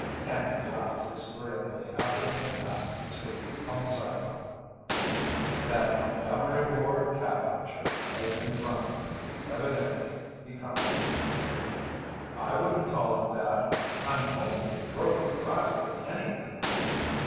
Canby laughed disagreeably after they had passed the two on the sidewalk. "That Montgomery Ward cowpuncher has been drunk again, evidently," he commented. "I wouldn't call him that. I'm told he can rope and ride with any of them."